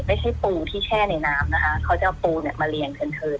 ไม่ใช่ปูที่แช่ในน้ำน้ำนะคะเขาจะเอาปูเนี้ยมาเรียงเทินเทิน